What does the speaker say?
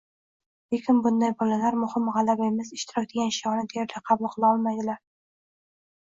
Lekin bunday bolalar “Muhimi g‘alaba emas, ishtirok” degan shiorni deyarli qabul qila olmaydilar.